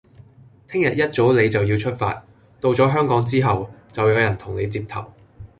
聽日一早你就要出發，到咗香港之後，就有人同你接頭